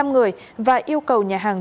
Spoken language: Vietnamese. hai mươi năm người và yêu cầu nhà hàng